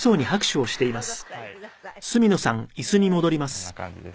こんな感じです。